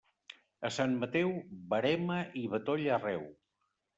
A Sant Mateu, verema i batoll arreu.